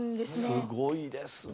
すごいですね